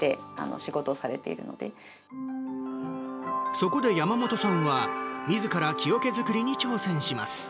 そこで山本さんはみずから木おけづくりに挑戦します。